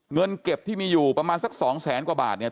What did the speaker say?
เงินเก็บที่มีอยู่ประมาณสักสองแสนกว่าบาทเนี่ย